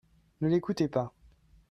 Ne l'écoutez pas.